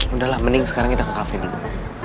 udah lah mending sekarang kita ke kafe dulu